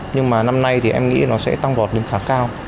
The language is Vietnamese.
nhưng mà năm nay em nghĩ nó sẽ tăng gọt đến khá cao